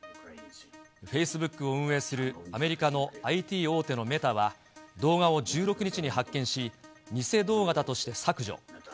フェイスブックを運営するアメリカのＩＴ大手のメタは、動画を１６日に発見し、偽動画だとして削除。